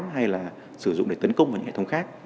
hay là sử dụng để tấn công vào những hệ thống khác